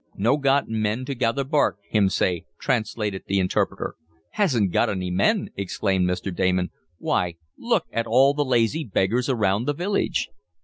"No got men to gather bark, him say," translated the interpreter. "Hasn't got any men!" exclaimed Mr. Damon. "Why, look at all the lazy beggars around the village."